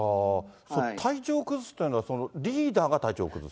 体調を崩すっていうのは、リーダーが体調を崩す？